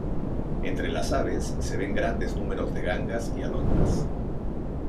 Entre las aves, se ven grandes números de gangas y alondras.